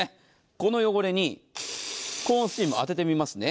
この汚れに高温スチームを当ててみますね。